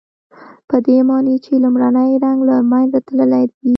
پدې معنی چې لومړنی رنګ له منځه تللی وي.